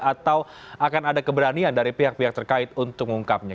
atau akan ada keberanian dari pihak pihak terkait untuk mengungkapnya